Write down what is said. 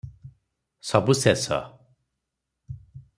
ସବୁ ଶେଷ!